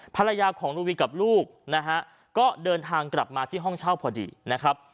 ภรรยาของนูวีกับลูกนะฮะก็เดินทางกลับมาที่ห้องเช่าพอดีนะครับ